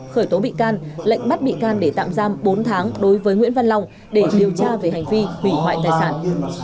khởi tố bị can lệnh bắt bị can để tạm giam bốn tháng đối với nguyễn văn long để điều tra về hành vi hủy hoại tài sản